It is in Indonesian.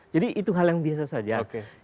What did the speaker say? jadi itu hal yang biasa saja